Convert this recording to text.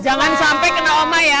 jangan sampai kena oma ya